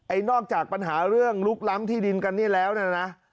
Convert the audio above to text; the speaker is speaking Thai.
นอกจากปัญหาเรื่องลุกล้ำที่ดินกันเนี่ยแล้วนะ